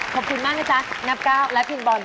ขอบคุณมากนะจ๊ะนับก้าวและพี่บอล